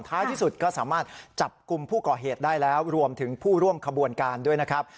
ที่สุดก็สามารถจับกลุ่มผู้ก่อเหตุได้แล้วรวมถึงผู้ร่วมขบวนการด้วยนะครับ